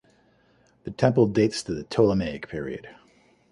The temple dates to the Ptolemaic period.